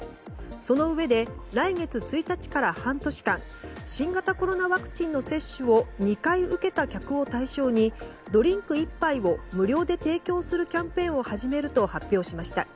そのうえで、来月１日から半年間新型コロナワクチンの接種を２回受けた客を対象にドリンク１杯を無料で提供するキャンペーンを始めると発表しました。